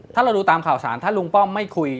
ถ้าเราดูตามข่าวสารถ้าลุงป้อมไม่คุย